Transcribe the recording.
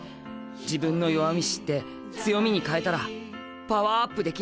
自分の弱み知って強みに変えたらパワーアップできる。